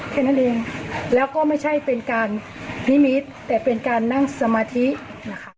แค่นั้นเองแล้วก็ไม่ใช่เป็นการนิมิตแต่เป็นการนั่งสมาธินะคะ